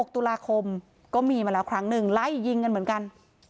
๖ตุลาคมก็มีมาแล้วครั้งหนึ่งไล่ยิงกันเหมือนกัน